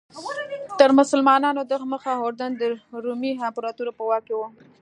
تر مسلمانانو دمخه اردن د رومي امپراتورۍ په واک کې و.